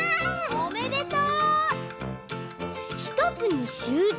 おめでとう！